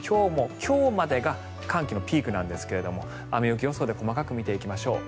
今日までが寒気のピークなんですが雨・雪予想で細かく見ていきましょう。